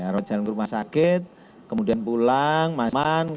rawat jalan ke rumah sakit kemudian pulang masman